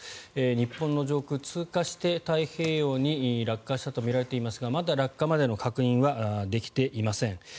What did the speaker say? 日本の上空を通過して、太平洋に落下したとみられていますがまだ落下までの確認はできていません。